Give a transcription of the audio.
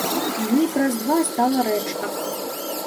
Дні праз два стала рэчка.